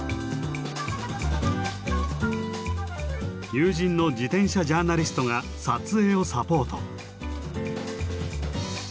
友人の自転車ジャーナリストが撮影をサポート。